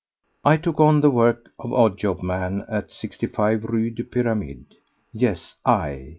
3. I took on the work of odd job man at 65 Rue des Pyramides. Yes, I!